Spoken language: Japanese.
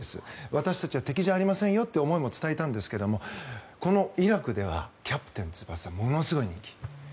私たちは敵じゃありませんよって思いも伝えたんですがこのイラクでは「キャプテン翼」ものすごい人気。